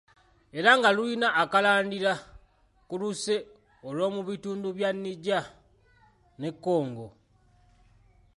"Era nga lulina akalandira ku luse olw’omu bitundu bya ""Niger-Congo""."